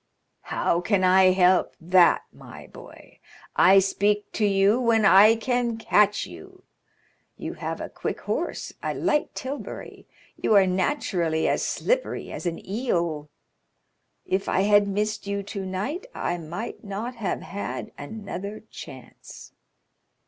"How can I help that, my boy? I speak to you when I can catch you. You have a quick horse, a light tilbury, you are naturally as slippery as an eel; if I had missed you tonight, I might not have had another chance."